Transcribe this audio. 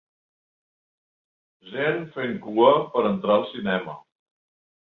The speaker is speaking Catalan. Gent fent cua per entrar al cinema